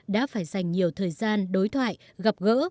đã phải dành nhiều thời gian đối thoại gặp gỡ